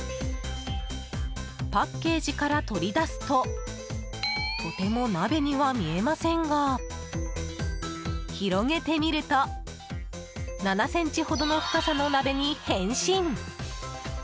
パッケージから取り出すととても鍋には見えませんが広げてみると７ｃｍほどの深さの鍋に変身。